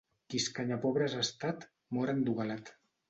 Qui escanyapobres ha estat, mor endogalat.